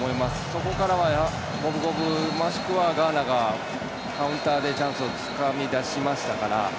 そこからは五分五分もしくはガーナがカウンターでチャンスをつかみ出しましたから。